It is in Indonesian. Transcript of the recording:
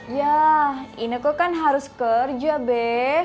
ya ineke kan harus kerja be